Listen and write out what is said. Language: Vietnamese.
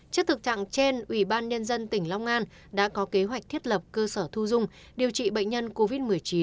trước thực trạng trên ubnd tỉnh long an đã có kế hoạch thiết lập cơ sở thu dung điều trị bệnh nhân covid một mươi chín